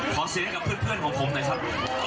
ขอเสียงกับเพื่อนของผมหน่อยครับ